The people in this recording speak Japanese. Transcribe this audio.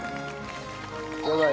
やばい。